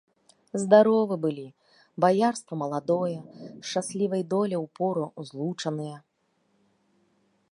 Здаровы былі, баярства маладое, шчаслівай доляй упору злучаныя.